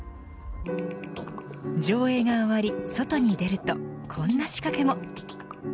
上映が終わり、外に出るとこんな仕掛けも。